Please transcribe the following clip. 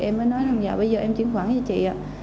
em mới nói là bây giờ em chuyển khoản cho chị